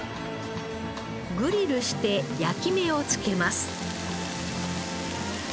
グリルして焼き目を付けます。